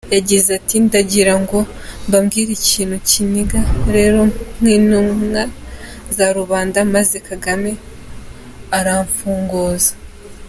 Yagize ati “Ndagirango mbabwire ikintu kiniga rero nk’intumwa za rubanda, maze Kagame aramfunguza.